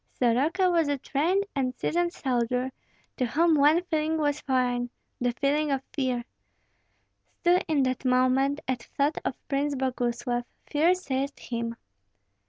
Soroka was a trained and seasoned soldier, to whom one feeling was foreign, the feeling of fear. Still in that moment, at thought of Prince Boguslav, fear seized him.